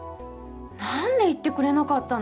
何で言ってくれなかったの？